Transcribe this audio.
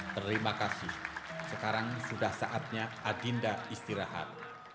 terima kasih sekarang sudah saatnya adinda istirahat